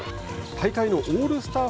大会のオールスター